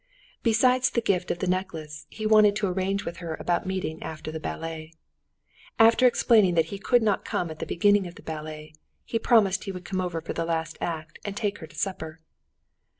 Besides the gift of the necklace he wanted to arrange with her about meeting after the ballet. After explaining that he could not come at the beginning of the ballet, he promised he would come for the last act and take her to supper.